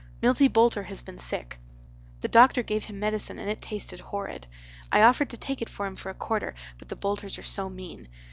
Milty Boulter has been sick. The doctor gave him medicine and it tasted horrid. I offered to take it for him for a quarter but the Boulters are so mean.